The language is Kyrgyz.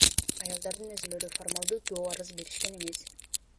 Аялдардын өзүлөрү формалдуу доо арыз беришкен эмес.